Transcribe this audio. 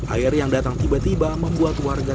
air yang datang tiba tiba membuat warga